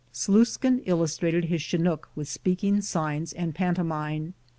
*' Sluiskin illustrated his Chinook with speaking signs and pantomine.